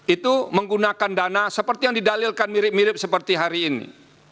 itu menggunakan dana seperti yang didalilkan mirip mirip seperti hari ini